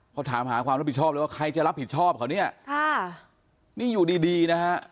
เขาถามหาความรับผิดชอบเลยว่าใครจะรับผิดชอบเขาเนี่ยค่ะนี่อยู่ดีดีนะฮะ